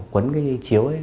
quấn cái chiếu ấy